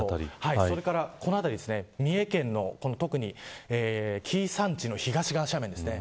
それから三重県の特に紀伊山地の東側斜面ですね